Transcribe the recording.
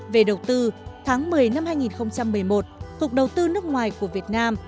về đầu tư tháng một mươi năm hai nghìn một mươi một cục đầu tư nước ngoài của việt nam